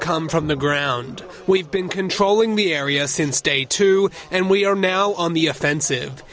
kami telah mengawal area sejak hari kedua dan kami sekarang di atas ofensif